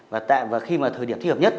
và khi thời điểm thích hợp nhất